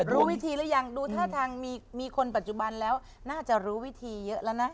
รู้วิธีหรือยังดูท่าทางมีคนปัจจุบันแล้วน่าจะรู้วิธีเยอะแล้วนะ